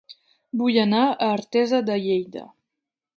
Vull anar a Artesa de Lleida